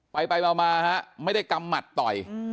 ไปมาฮะไม่ได้กำหมัดต่อย